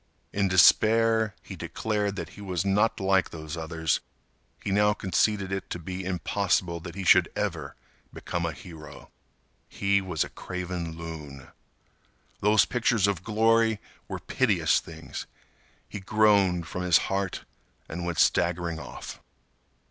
In despair, he declared that he was not like those others. He now conceded it to be impossible that he should ever become a hero. He was a craven loon. Those pictures of glory were piteous things. He groaned from his heart and went staggering off.